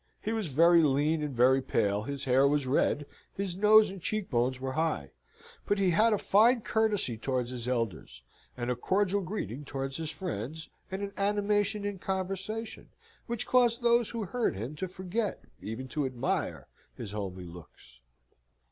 He was very lean and very pale; his hair was red, his nose and cheek bones were high; but he had a fine courtesy towards his elders, a cordial greeting towards his friends, and an animation in conversation which caused those who heard him to forget, even to admire, his homely looks.